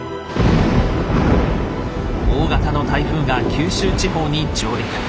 大型の台風が九州地方に上陸。